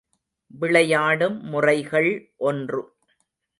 விளையாடும் முறைகள் ஒன்று.